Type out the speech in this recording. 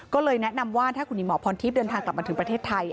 ก็เลยแนะนำว่าถ้าคุณหญิงหมอพรทิพย์เดินทางกลับมาถึงประเทศไทย